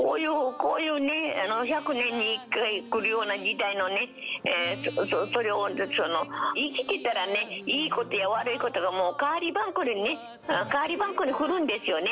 こういうね、１００年に１回来るような時代、生きてたらいいことや悪いことがもう代わり番こにね、かわりばんこに来るんですよね。